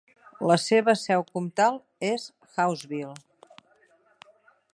La seva seu comtal és Hawesville.